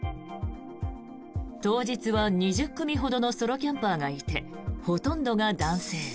当日は２０組ほどのソロキャンパーがいてほとんどが男性。